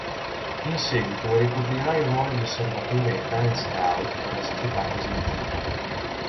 In seguito, ricoprirà il ruolo di osservatore e talent scout per la società cosentina.